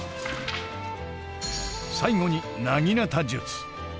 最後に薙刀術。